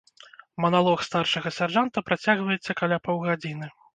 Маналог старшага сяржанта працягваецца каля паўгадзіны.